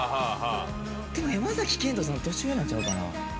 でも山賢人さん年上なんちゃうかな？